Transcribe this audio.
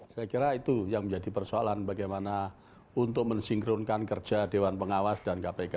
saya kira itu yang menjadi persoalan bagaimana untuk mensinkronkan kerja dewan pengawas dan kpk